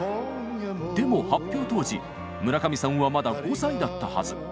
でも発表当時村上さんはまだ５歳だったはず。